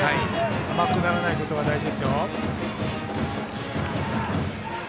甘くならないことが大事です。